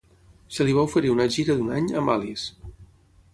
Se li va oferir una "gira d'un any" amb Alice.